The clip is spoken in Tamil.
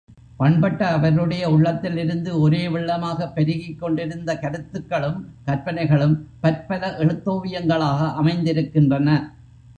பண்பட்ட அவருடைய உள்ளத்திலிருந்து ஒரே வெள்ளமாகப் பெருகிக் கொண்டிருந்த கருத்துக்களும் கற்பனைகளும் பற்பல எழுத்தோவியங்களாக அமைந்திருக்கின்றன.